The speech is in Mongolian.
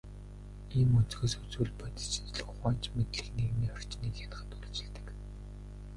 Ийм өнцгөөс үзвэл, бодит шинжлэх ухаанч мэдлэг нийгмийн орчныг хянахад үйлчилдэг.